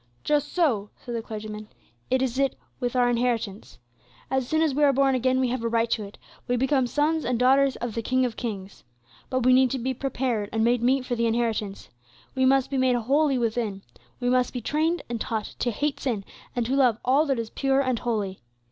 "Just so," said the clergyman, "is it with our inheritance. As soon as we are born again we have a right to it, we become sons and daughters of the King of Kings. But we need to be prepared and made meet for the inheritance. We must be made holy within; we must be trained and taught to hate sin and to love all that is pure and holy.